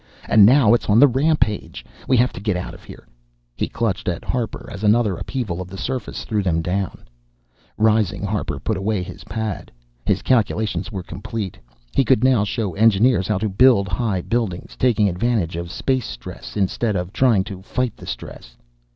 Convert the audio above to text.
And now it's on the rampage. We have to get out of here " He clutched at Harper as another upheaval of the surface threw them down. Rising, Harper put away his pad. His calculations were complete. He could now show engineers how to build high buildings, taking advantage of space stress instead of trying to fight the stress.